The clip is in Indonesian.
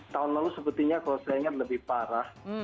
tahun lalu sepertinya kalau saya ingat lebih parah